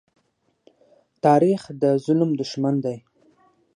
تاریخ د ظلم دښمن دی.